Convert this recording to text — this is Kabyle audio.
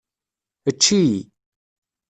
Ečč-iyi.